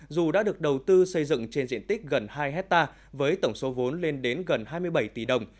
dù đã được đầu tư xây dựng trên diện tích gần hai hectare với tổng số vốn lên đến gần hai mươi bảy tỷ đồng